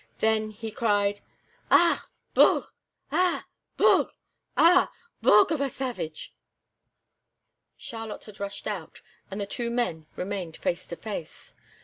Then, he cried: "Ah! bougrrre! ah! bougrrre! ah! bougrrre of a savage!" Charlotte had rushed out, and the two men remained face to face.